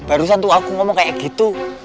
barusan tuh aku ngomong kayak gitu